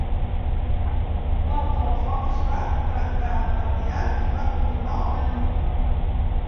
L'alto el foc es va trencar aviat i va continuar la lluita.